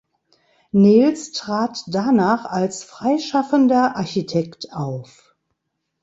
Nehls trat danach als freischaffender Architekt auf.